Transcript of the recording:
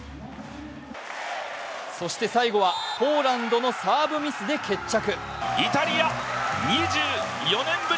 そして最後はポーランドのサーブミスで決着。